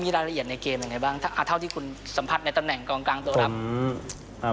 มีรายละเอียดในเกมยังไงบ้างที่คุณสัมผัสในตำแหน่งกลางตัวรับ